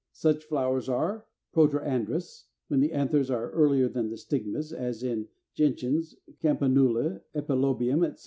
Such flowers are Proterandrous, when the anthers are earlier than the stigmas, as in Gentians, Campanula, Epilobium, etc.